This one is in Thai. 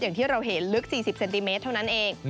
อย่างที่เราเห็นลึก๔๐เซนติเมตรเท่านั้นเอง